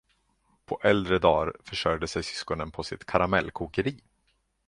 På äldre dar försörjde sig syskonen på sitt karamellkokeri.